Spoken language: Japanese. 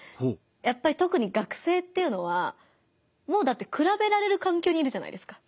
やっぱりとくに学生っていうのはもうだってくらべられる環境にいるじゃないですか。